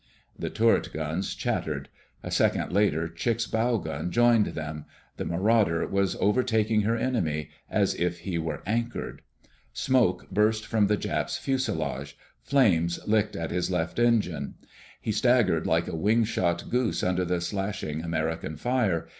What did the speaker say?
_" The turret guns chattered. A second later, Chick's bow gun joined them. The Marauder was overtaking her enemy as if he were anchored. Smoke burst from the Jap's fuselage. Flame licked at his left engine. He staggered like a wing shot goose under the slashing American fire.